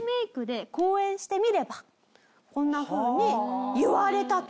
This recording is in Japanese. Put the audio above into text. こんなふうに言われたと。